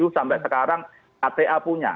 sampai sekarang kta punya